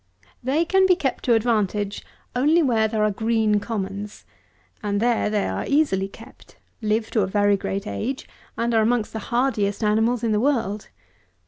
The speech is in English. They can be kept to advantage only where there are green commons, and there they are easily kept; live to a very great age; and are amongst the hardiest animals in the world.